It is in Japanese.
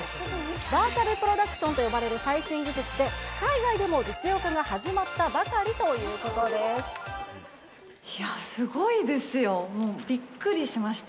バーチャルプロダクションと呼ばれる最新技術で、海外でも実用化いや、すごいですよ、もう、びっくりしました。